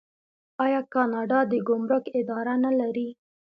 آیا کاناډا د ګمرک اداره نلري؟